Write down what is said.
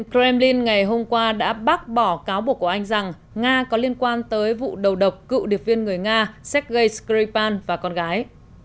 kremlin ngày hôm qua đã bác bỏ cáo buộc của anh rằng nga có liên quan tới vụ đầu độc cựu điệp viên người nga sergei skripal và con gái